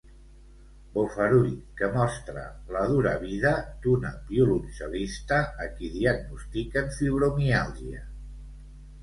Bofarull que mostra la dura vida d'una violoncel·lista a qui diagnostiquen fibromiàlgia.